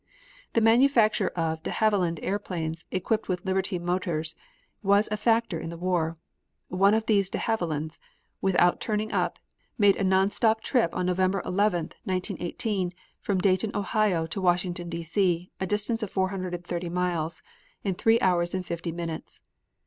The manufacture of De Haviland airplanes equipped with Liberty motors was a factor in the war. One of these De Havilands without tuning up, made a non stop trip on November 11, 1918, from Dayton, Ohio, to Washington, D. C., a distance of 430 miles, in three hours and fifty minutes.